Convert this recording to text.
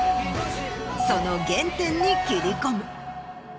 その原点に切り込む。